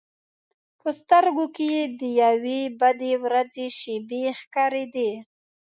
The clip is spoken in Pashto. په سترګو کې یې د یوې بدې ورځې شېبې ښکارېدې.